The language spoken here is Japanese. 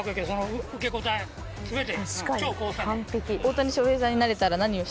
全て。